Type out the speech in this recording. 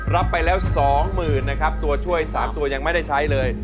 รับไปแล้วสองหมื่นนะครับตัวช่วยสามตัวยังไม่ได้ใช้เลย